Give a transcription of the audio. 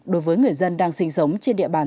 đối với người dân đang sinh sống trên địa bàn